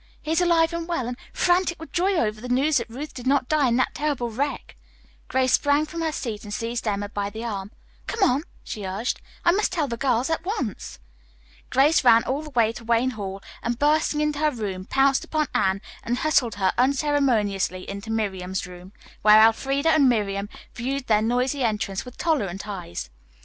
He is alive and well and frantic with joy over the news that Ruth did not die in that terrible wreck." Grace sprang from her seat and seized Emma by the arm. "Come on," she urged, "I must tell the girls at once." Grace ran all the way to Wayne Hall, and bursting into her room pounced upon Anne and hustled her unceremoniously into Miriam's room, where Elfreda and Miriam viewed their noisy entrance with tolerant eyes.